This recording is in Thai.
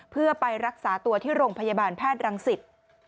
เพื่อไปรักษาตัวที่โรงพยาบาลแพทย์รังสิต